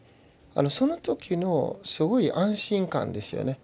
その時のすごい安心感ですよね。